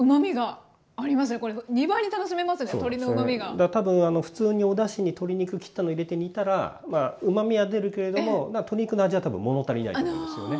だから多分普通におだしに鶏肉切ったの入れて煮たらうまみは出るけれども鶏肉の味は多分物足りないと思うんですよね。